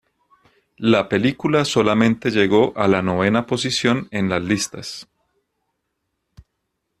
La película solamente llegó a la novena posición en las listas.